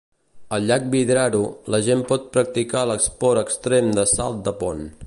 Al llac Vidraru, la gent pot practicar l'esport extrem de salt de pont.